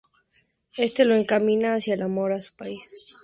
Este lo encamina hacia el amor a su país y a la lengua catalana.